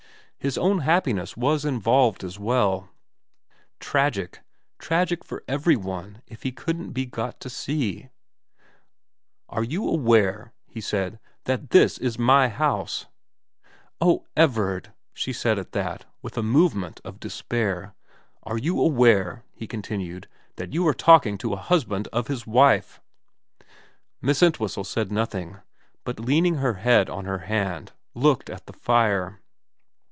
His own happiness was involved as well. Tragic, tragic for every one if he couldn't be got to see. ...* Are you aware,' he said, ' that this is my house ?'' Oh Everard ' she said at that, with a move ment of despair. ' Are you aware,' he continued, ' that you are talking to a husband of his wife ?' 2A 354 VERA Miss Entwhistle said nothing, but leaning her head on her hand looked at the fire.